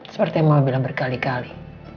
seperti yang mau bilang berkali kali